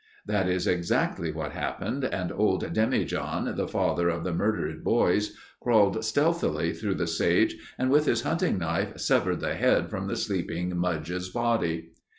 That is exactly what happened and old Demi John, the father of the murdered boys crawled stealthily through the sage and with his hunting knife severed the head from the sleeping Mudge's body.